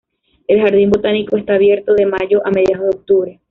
El jardín botánico está abierto de mayo a mediados de octubre.